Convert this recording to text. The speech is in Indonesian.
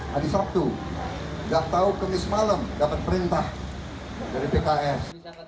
hari sabtu tidak tahu kamis malam dapat perintah dari pks